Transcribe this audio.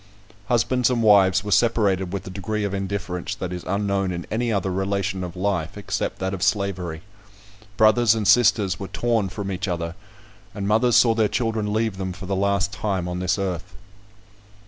Husbands and wives were separated with a degree of indifference that is unknown in any other relation of life, except that of slavery. Brothers and sisters were torn from each other; and mothers saw their children leave them for the last time on this earth.